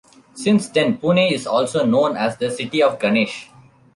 Since then, Pune is also known as the city of Ganesh.